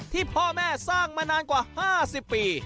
ที่พ่อแม่สร้างมานานกว่า๕๐ปี